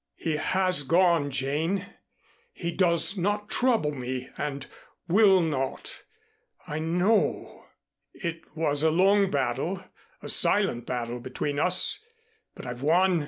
"He has gone, Jane. He does not trouble me and will not, I know. It was a long battle, a silent battle between us, but I've won.